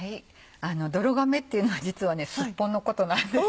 泥亀っていうのは実はスッポンのことなんです。